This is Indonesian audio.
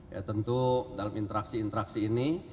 ya tentu dalam interaksi interaksi ini